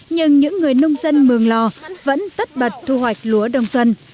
nhưng những người nông dân mường lò vẫn tất bật thu hoạch lúa đông xuân